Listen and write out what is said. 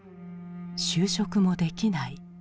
就職もできない。